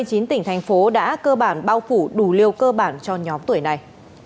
trên tỉnh thành phố đã cơ bản bao phủ đủ liều cơ bản cho nhóm tuổi này